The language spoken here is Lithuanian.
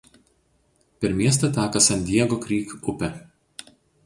Per miestą teka "San Diego Creek" upė.